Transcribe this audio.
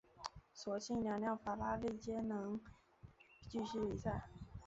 所幸两辆法拉利皆能继续比赛。